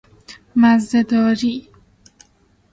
مزه داری